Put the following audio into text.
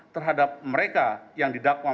terhadap mereka yang didakwa